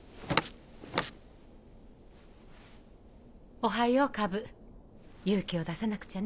おはようカブ勇気を出さなくちゃね。